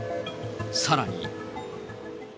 さらに。